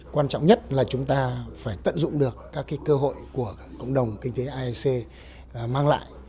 quan trọng nhất là chúng ta phải tận dụng được các cơ hội của cộng đồng kinh tế aec mang lại